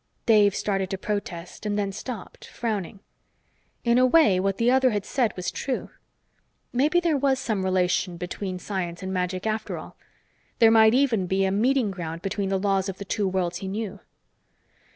Dave started to protest, and then stopped, frowning. In a way, what the other had said was true. Maybe there was some relation between science and magic, after all; there might even be a meeting ground between the laws of the two worlds he knew.